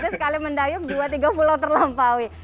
itu sekali mendayung dua tiga pulau terlompaui